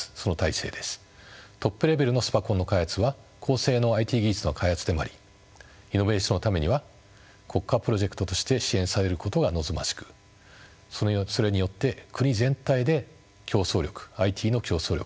トップレベルのスパコンの開発は高性能ＩＴ技術の開発でもありイノベーションのためには国家プロジェクトとして支援されることが望ましくそれによって国全体で競争力ＩＴの競争力